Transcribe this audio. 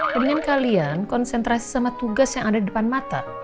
mendingan kalian konsentrasi sama tugas yang ada di depan mata